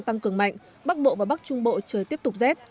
tăng cường mạnh bắc bộ và bắc trung bộ trời tiếp tục rét